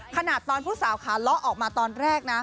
ขนาดตอนผู้สาวขาเลาะออกมาตอนแรกนะ